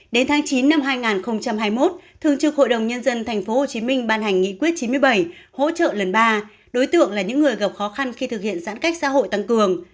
đến tháng chín năm hai nghìn hai mươi một thường trực hội đồng nhân dân tp hcm ban hành nghị quyết chín mươi bảy hỗ trợ lần ba đối tượng là những người gặp khó khăn khi thực hiện giãn cách xã hội tăng cường